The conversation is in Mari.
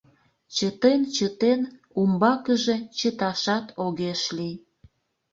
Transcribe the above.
Чытен-чытен, умбакыже чыташат огеш лий...